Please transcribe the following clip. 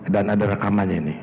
dan ada rekamannya ini